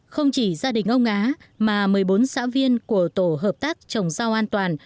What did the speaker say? không chỉ gia đình ông á mà một mươi bốn xã viên của tổ hợp tác trồng rau an toàn